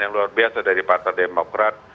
yang luar biasa dari partai demokrat